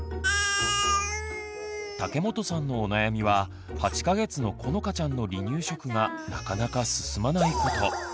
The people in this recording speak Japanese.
竹本さんのお悩みは８か月のこのかちゃんの離乳食がなかなか進まないこと。